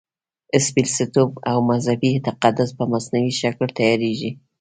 سپېڅلتوب او مذهبي تقدس په مصنوعي شکل تیارېږي.